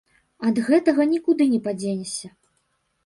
Ад гэтага нікуды не падзенешся.